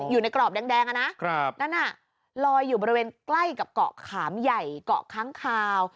อยู่ในกรอบแดงอะนะนั่นน่ะลอยอยู่บริเวณใกล้กับเกาะขามใหญ่เกาะค้างคาว